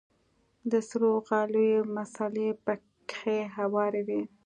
د سرو غاليو مصلې پکښې هوارې وې.